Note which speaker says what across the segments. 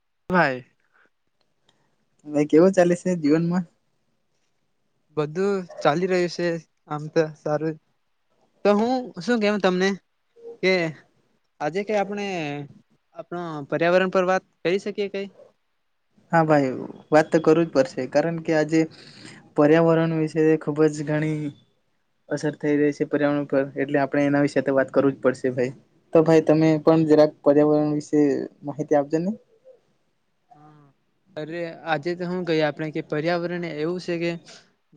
Speaker 1: [inaudible]
Speaker 2: ભાઈ કેવું ચાલે છે જીવનમાં?
Speaker 1: બધું ચાલી રહ્યું છે આમ. તોસારું જ, તો હું શું કેવ તમને કે આજે કઈ આપણે આપણા પર્યાવરણ પર વાત કરી શકીએ કઈ?
Speaker 2: હા ભાઈ, વાત તો કરવી જ પડશે, કારણ કે આ જે પર્યાવરણ વિશે ખુબ જ ઘણી અસર થઈ રહી છે પર્યાવરણ પર, એટલે આપણે એના વિશે વાત કરવું જ પડશે ભાઈ. તો ભાઈ તમે પણ જરાક પર્યાવરણ વિશે માહિતી આપજો ને.
Speaker 1: અરે આજે તો હું કહી કે આપણે કે પર્યાવરણ એવું છે કે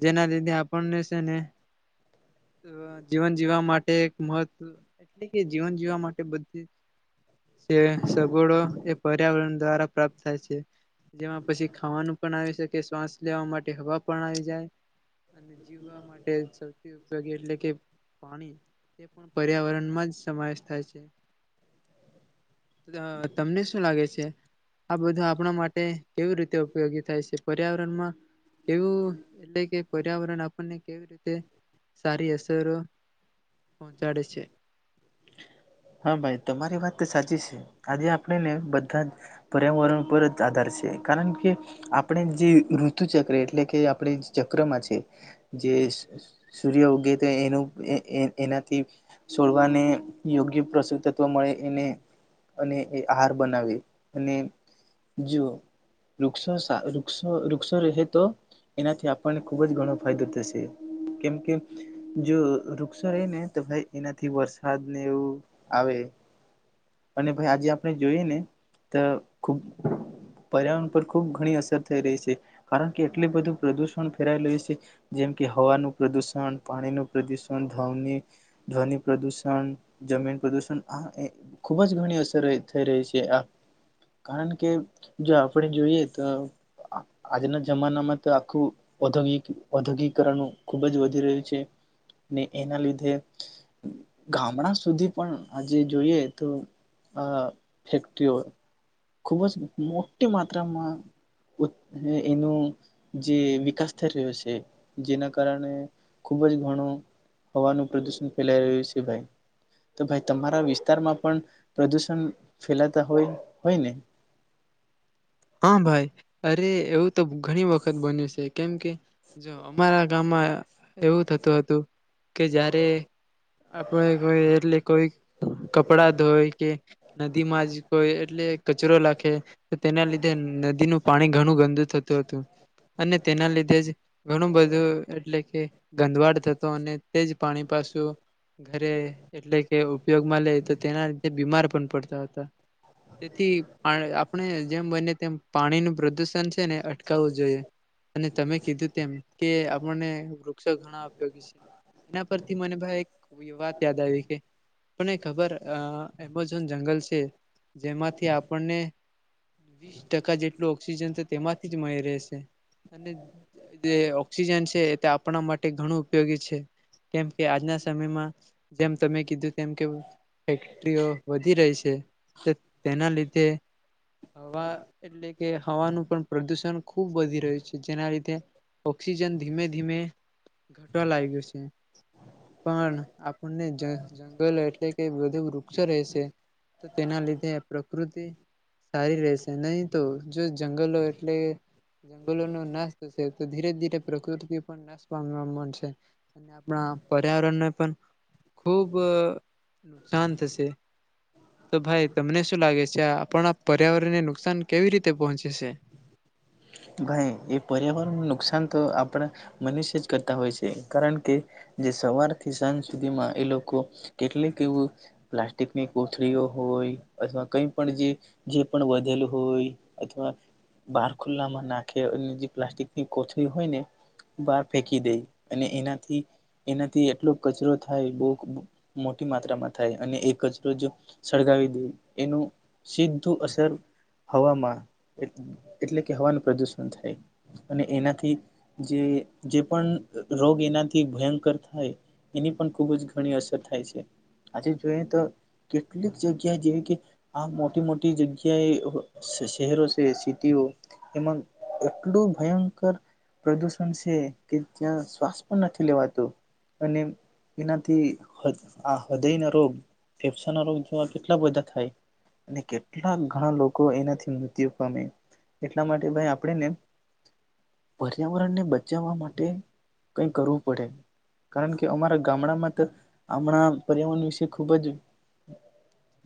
Speaker 1: જેના લીધે આપણને છે ને અહ જીવન જીવવા માટે એક મહત્વ એટલે કે જીવન જીવવા માટે બધી જ સે સગુડો એ પર્યાવરણ દ્વારા પ્રાપ્ત થાય છે. જેમાં પછી ખાવાનું પણ આવી શકે, શ્વાસ લેવા માટે હવા પણ આવી જાય. અને જીવવા માટે સૌથી ઉપયોગી એટલે કે પાણી એ પણ પર્યાવરણ માં જ સમાય થાય છે. ત તમને શું લાગે છે? છે, આ બધા આપણા માટ ટ કેવી રીતે ઉપયોગી થાય છે? પર્યાવરણમાં કેવું એટલે કે પર્યાવરણ આપણને કેવી રીતે સારી અસરો પહોંચાડે છે?
Speaker 2: હા ભાઈ તમારી વાત તો સાચી છે. આજે આપણે ને બધા જ પર્યાવરણ પર જ આધાર છે, કારણ કે આપણે જે ઋતુ ચક્ર એટલે કે આપણે ચક્રમાં છે, જે સ સૂર્ય ઉગે તો એનું એ-એ એનાથી છોડવાને યોગ્ય પ્રસુતત્વ મળે એને, અને એ આહાર બનાવે, અને જો વૃક્ષો સા વૃક્ષો-વૃક્ષો રહે તો એનાથી આપણને ખૂબ જ ઘણો ફાયદો થશે, કેમ કે જો વૃક્ષો રહે ને તો ભાઈ એનાથી વરસાદને એવું આવે, અને ભાઈ આજે આપણે જોઈએ ને તો ખુબ પર્યાવરણ પર ખુબ ઘણી અસર થઈ રહી છે, કારણ કે એટલી બધું પ્રદુષણ ફેલાયેલું છે, જેમ કે હવાનું પ્રદુષણ, પાણીનું પ્રદુષણ, ધવની ધ્વની પ્રદુષણ, જમીન પ્રદૂષણ આ એ ખૂબ જ ઘણી અસર થઈ રહી છે આ, કારણ કે જો આપણે જોઈએ તો આ આજના જમાનામાં તો આખું ઔદ્યોગિક ઔદ્યોગિકરણ ખૂબ જ વધી રહ્યું છે, ને એના લીધે ગામડા સુધી પણ આજે જોઈએ તો આ ફેક્ટરીઓ ખૂબ જ મોટી માત્રામાં ઉત એ એનું જે વિકાસ થઈ રહ્યો છે, જેના કારણે ખુબ જ ઘણું હવાનું પ્રદુષણ ફેલાઈ રહ્યું છે ભાઈ. તો ભાઈ તમારા વિસ્તારમાં પણ પ્રદુષણ ફેલાતા હોય હોય ને?
Speaker 1: હા ભાઈ. અરે એવું તો ઘણી વખત બન્યું છે, કેમ કે જો અમારા ગામમાં એવું થતું હતું કે જ્યારે આપડે કોઈ એટલે કોઈ કપડા ધોય કે નદી માં જ કોઈ એટલે કચરો લખે તેના લીધ નદી નું પાણી ઘણું ગંદુ થત તો તું, અને તેના લીધે જ ઘણું બધું એટલે કે ગંદવાડ થતો અને તેજ પાણી પાછું ઘરે એટલે કે ઉપયોગમાં લે તો તેના લીધે બીમાર પણ પડતા હતા. તેથી પાર આપ આપણે જેમ બને તેમ પાણી નું પ્રદુષણ છે ને અટકાવવું જોઈએ. અને તમે કીધું તેમ. કે મને વૃક્ષો ઘણા ઉપયોગી છે, એના પરથી મને ભાઈ એક વાત યાદ આવી કેને ખબર. એમેઝોન જંગલ છે જેમાંથી આપણને ટકા જેટલું ઓક્સિજન તો તેમાંથી જ મળી રહેશે અને જે ઓક્સિજન છે એ તે આપણા માટે ઘણું ઉપયોગી છે કેમ કે આજના સમયમાં જેમ તમે કીધું તેમ કે ફેક્ટરીઓ વધી રહી છે તેના લીધે હવા એટલે કે હવાનું પણ પ્રદુષણ ખૂબ વધી રહ્યું છે જેના લીધે ઓક્સિજન ધીમે ધીમે ઘટવા લાગ્યું છે પણ આપણને જંગલ એટલે કે બુ વૃક્ષો રહેશે તો તેના લીધે પ્રકૃતિ સારી રહેશે નહી તો જો જંગલો એટલે જંગલો ન નાશ થશે તો ધીરે ધીરે પ્રકૃતિ પણ નાશ પામ મન છે અને આપણા પર્યાવરણને પણ ખૂબ નુકસાન થશે તો ભાઈ તમને શું લાગે છે આ આપણા પર્યાવરણને નુકસાન કેવી રીતે પહોંચે છે
Speaker 2: ભાઈ એ પર્યાવરણ નુકસાન તો આપ પણ મનુષ્ય જ કરતા હોય છે કારણ કે જે સવાર થી સાંજ સુધીમાં એ લોકો કેટલીક એવું પ્લાસ્ટિકની કોથળીઓ હોય અથવા કઈ પણ જે પણ વધેલું હોય અથવા ખુલ્લામાં નાખે અને જે પ્લાસ્ટિકની કોથળી હોય ને બહાર ફેંકી દે અને એનાથી એનાથી એટલો કચરો થાય બહુ મોટી માત્રામાં થાય અને એ કચરો જો સળગાવી દે એનું સીધું અસર હવામાં એટલે કે હવાનું પ્રદૂષણ થાય અને એનાથી જે જે પણ રોગ એનાથી ભયંકર થાય એની પણ ખૂબ જ ઘણી અસર થાય છે આજે જોઈએ તો કેટલીક જગ્યા જેવી કે આ મોટી મોટી જગ્યાએ શહેરો છે સિટીઓ એમાં એટલું ભયંકર પ્રદૂષણ છે કે ત્યાં શ્વાસ પણ નથી લેવાતો અને એનાથી આ હૃદય ના રોગ ફેફસા ના રોગ જેવા કેટલા બધા થાય અને કેટલા ઘણા લોકો એનાથી મૃત્યુ પામે એટલા માટે ભાઈ આપણેને પર્યાવરણને બચાવવા માટે કઈ કરવું પડે કારણ કે અમારા ગામડામાં તો હમણાં પર્યાવરણ વિશે ખૂબ જ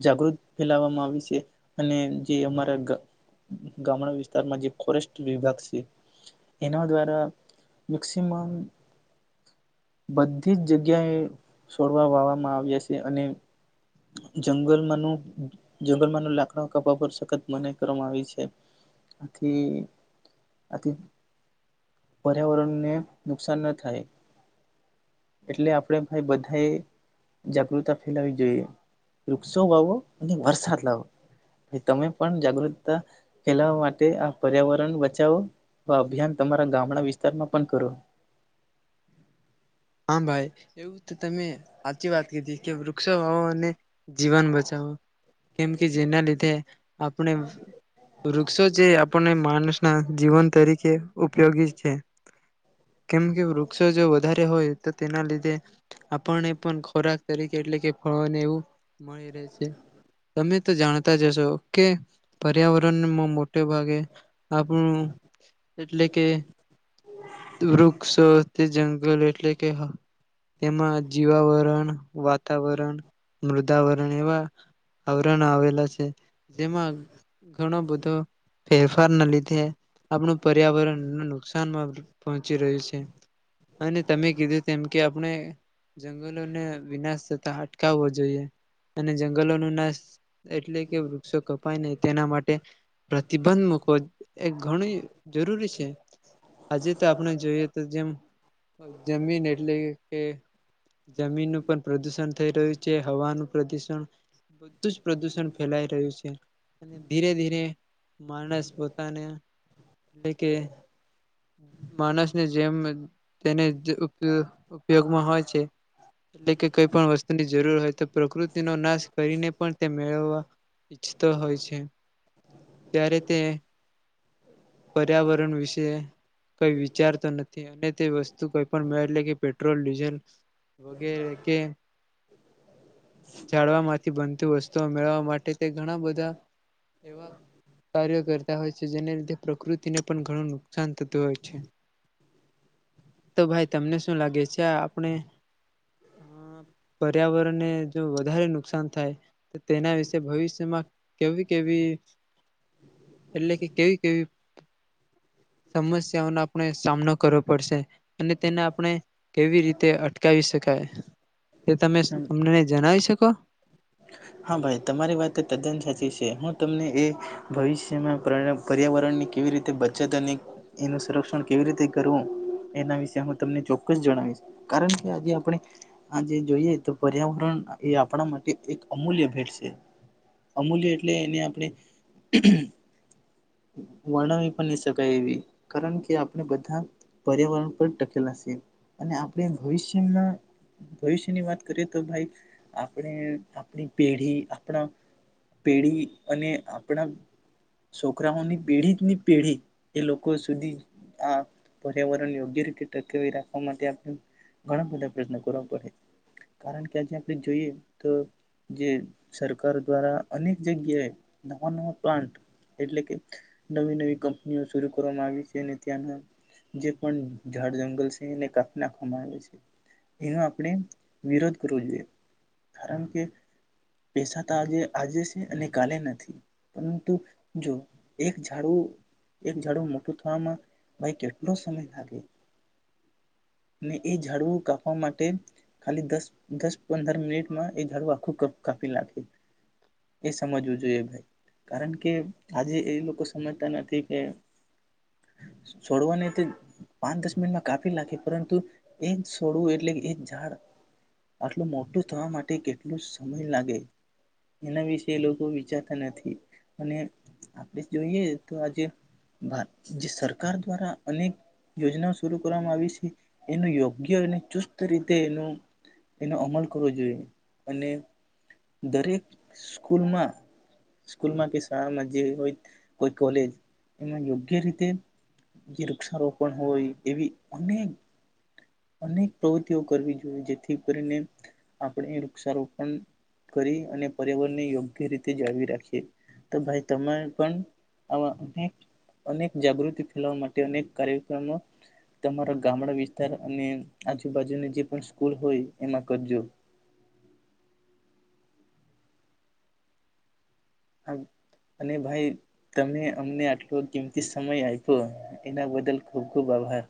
Speaker 2: જાગૃત ફેલાવવામાં આવી છે અને જે અમારા ગામડા વિ જે ફોરેસ્ટ વિભાગ છે એના દ્વારા મેક્સિમમ બધી જ જગ્યાએ છોડવા વાવામાં આવ્યા છે અને જંગલમાંનું જંગલમાંનું લાકડ કપા પર સખત મના કરવામાં આવી છે આથી આથી પર્યાવરણને નુકસાન ન થાય એટલે આપણે ભાઈ બધાએ જાગૃતા ફેલાવી જોઈએ વૃક્ષો વાવો અને વરસાદ લાવો તમે પણ જાગૃતતા ફેલાવા માટે આ પર્યાવરણ બચાવો અભિયાન તમારા ગામડા વિસ્તારમાં પણ કરો
Speaker 1: હા ભાઈ એવું તો તમે સાચી વાત કીધી કે વૃક્ષો વાવો અને જીવન બચાવો કેમ કે જેના લીધે આપણે વૃક્ષો જે આપણને માનસ ના જીવન તરીકે ઉપયોગી છે કેમ કે વૃક્ષો જો વધારે હોય તેના લીધે આપણને પણ ખોરાક તરીકે એટલે કે ફળવાને એવું મળી રહે છે તમે તો જાણતા જશો કે પર્યાવરણમાં મોટે ભાગે [unintelligible] એટલે કે રૂખ સુ તે જંગલ એટલે કે તેમાં જીવાવરણ વાતાવરણ મૃદાવરણ એવા આવરણ આવેલા છે જેમાં ઘણો બધો ફેરફાર ના લીધે આપણું પર્યાવરણ નુકસાનમાં પહોંચી રહ્યું છે અને તમે કીધું તેમ કે આપણે જંગલોને વિનાશ થતા અટકાવવો જોઈએ અને જંગલો ન નાશ એટલે કે વૃક્ષો કપાય નહી તેના માટે પ્રતિબંધ મૂકોવ એ ઘણી જરૂરી છે તો આપણે જોઈએ તો જેમ જમીન એટલે કે જમીનનુંું પણ પ્રદુષણ થઈ રહ્યું છે હવાનું પ્રદુષણ બધું જ પ્રદુષણ ફેલાઈ રહ્યું છે અને ધીરે ધીરે માણસ પોતાને એટલે કે માણસને જેમ તેને ઉપયોગમાં હોય છે એટલે કે કોઈ પણ વસ્તુ ની જરૂર હોય તો પ્રકૃતિ નો નાશ કરીને પણ તે મેળવવા ઈચ્છતો હોય છે ત્યારે તે પર્યાવરણ વિશે કઈ વિચારતો નથી અને તે વસ્તુ કઈ પણ મે એટલે કે પેટ્રોલ ડીઝલ વગેરે કે જાળવા માંથી બનતી વસ્તુઓ મેળવવા માટે તે ઘણા બધા એવા કાર્યો કરતા હોય છે જેને લીધે પ્રકૃતિને પણ ઘણું નુકસાન હો છે તો ભાઈ તમને શું લાગે છે આપણે પર્યાવરણ ને જો વધારે નુકસાન થાય તો તેના વિશે ભવિષ્યમાં કેવી કેવી એટલે કે કેવી કેવી સમસ્યાઓનો આપણે સામનો કરવો પડશે અને તેને આપણે કેવી રીતે અટકાવી શકીએ કાય તે તમે તમને જણાવી શકો
Speaker 2: હા ભાઈ તમારી વાત તદ્દન સાચી છે હું તમને એ ભવિષ્યમાં પર્યાવરણની કેવી રીતે બચત અને એનું સંરક્ષણ કેવી રીતે કરવું એના વિશે હું તમને ચોક્કસ જણાવીશ કારણ કે આજે આપણે આજે જોઈએ તો પર્યાવરણ એ આપણા માટે એક. અમૂલ્ય ભેટ છે અમૂલ્ય એટલે એને આપણે વર્ણવી પણ નહી શકાય એવી કારણ કે આપણે બધા પર્યાવરણ પર ટકેલા છે અને આપણે ભવિષ્યમાં ભવિષ્યની વાત કરીએ તો ભાઈ આપણે. ી આપણા પેઢી અને આપણા છોકરાઓની પેઢી જ ની પેઢી એ લોકો સુધી આ પર્યાવરણ યોગ્ય રીતે ટકેવી રાખવા માટે ઘણા બધા પ્રયત્નો કરવા પડે કારણ કે આજે આપણે જોઈએ તો [inaudible] જે સરકાર દ્વારા અનેક જગ્યાએ નવા નવા પ્લાન્ટ એટલે કે નવી નવી કંપનીઓ શરૂ કરવામાં આવી છે અને ત્યાંના જે પણ ાડ જંગલ છે એને કાપી નાખવામાં આવે છે એનો આપણે વિરોધ કરવો જોઈએ કારણ કે પેસા તો આજે આજે છે અને કાલે નથી પરંતુ જો એક ાડુ એક ઝડુ મોટું થવામાં ભાઈ કેટલો સમય લાગે એ ડવું કાપવા માટે ખાલી દસ દસ પંદર મિનિટમાં એ જાડવું આખું કાપી લખે એ સમજવું જોઈએ ભાઈ કારણ કે આજે એ લોકો સમજતા નથી કે છોડવાને તે પાંચ દસ મિનિટમાં કાપી લખે પરંતુ એ સોડું એટલે એ ઝાડ આટલું મોટું થવા માટે કેટલોું સમય લાગે એના વિશે એ લોકો વિચારતા નથી અને આપણે જોઈએ તો આજે જે સરકાર દ્વારા અનેક યોજનાઓ શરૂ કરવામાં આવી છે એનું યોગ્ય અને ચુસ્ત રીતે એનો એનો અમલ કરવો જોઈએ અને દરેક સ્કૂલમાં સ્કૂલમાં કે શાળામાં જે હોય કોઈ કોલેજ એમાં યોગ્ય રીતે જે વૃક્ષારોપણ હોય એવી અનેક અનેક પ્રવૃત્તિઓ કરવી જોઈએ જેથી કરીને આપણે વૃક્ષારોપણ કરી અને પર્યાવરણને યોગ્ય રીતે જાળવી રાખીએ તો ભાઈ તમે પણ આમાં અનેક જાગૃતિ ફેલાવા માટે અનેક કાર્યક્રમો તમારા ગામડા વિસ્તાર અને આજુબાજુની જે પણ સ્કૂલ હોય એમાં કરજો અને ભાઈ તમે અમને આટલો કિંમતી સમય આપ્યો એના બદલ ખૂબ ખૂબ આભાર